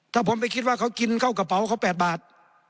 ถ้าผมไปคิดว่าเขากินเข้ากระเป๋าเขา๘บาท